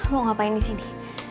lu ngapain di sini